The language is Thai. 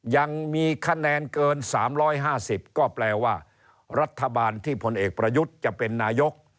ยังมีคะแนนเกิน๓๕๐ก็แปลว่ารัฐบาลที่ผลเอกประยุทธ์จะเป็นนายก